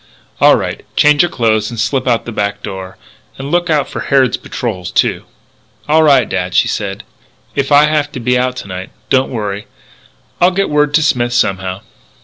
"All right. Change your clothes and slip out the back door. And look out for Harrod's patrols, too." "All right, dad," she said. "If I have to be out to night, don't worry. I'll get word to Smith somehow."